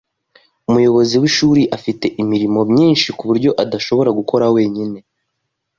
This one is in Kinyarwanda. Umuyobozi w'ishuri afite imirimo myinshi kuburyo adashobora gukora wenyine